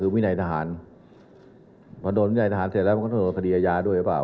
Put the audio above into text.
มันสามารถรู้สึกว่า